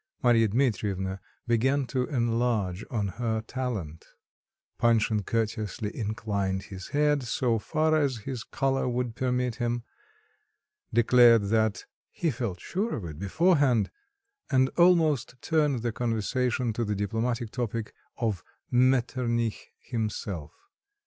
Marya Dmitrievna began to enlarge on her talent; Panshin courteously inclined his head, so far as his collar would permit him, declared that, "he felt sure of it beforehand," and almost turned the conversation to the diplomatic topic of Metternich himself.